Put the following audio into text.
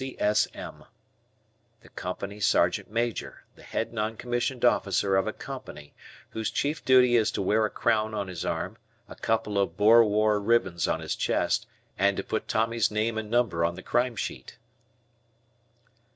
C.S.M. Company Sergeant Major, the head non commissioned officer of a company, whose chief duty is to wear a crown on his arm, a couple of Boer War ribbons on his chest, and to put Tommy's name and number on the crime sheet.